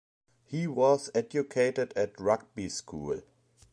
He was educated at Rugby School.